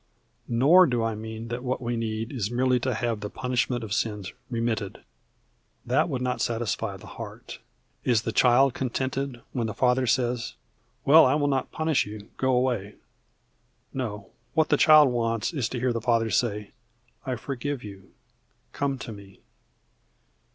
Nor do I mean that what we need is merely to have the punishment of sins remitted. That would not satisfy the heart. Is the child contented when the father says, "Well, I will not punish you. Go away"? No, what the child wants is to hear the father say, "I forgive you. Come to me."